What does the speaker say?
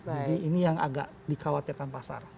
jadi ini yang agak dikhawatirkan pasar